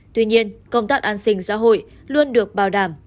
tuy nhiên công tác an sinh xã hội luôn được bảo đảm